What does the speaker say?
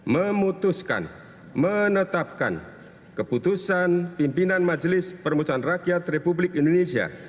memutuskan menetapkan keputusan pimpinan majelis permusuhan rakyat republik indonesia